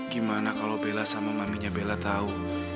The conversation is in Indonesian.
gimana kalau bella sama maminya bella tahu